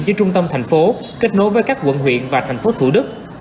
giữa trung tâm thành phố kết nối với các quận huyện và thành phố thủ đức